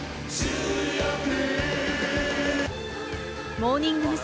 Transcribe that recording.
モーニング娘。